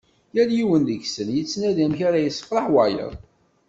Yal yiwen deg-sen yettnadi amek ara yessefreḥ wayeḍ.